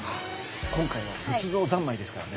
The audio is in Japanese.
今回は仏像三昧ですからね。